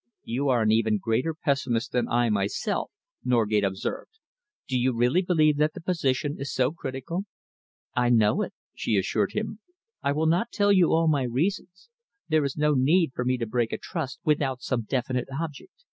"You are an even greater pessimist than I myself," Norgate observed. "Do you really believe that the position is so critical?" "I know it," she assured him. "I will not tell you all my reasons. There is no need for me to break a trust without some definite object.